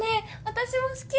私も好き！